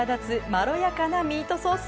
まろやかなミートソース。